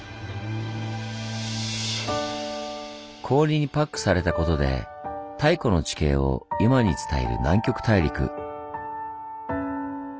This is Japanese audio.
氷にパックされたことで太古の地形を今に伝える南極大陸。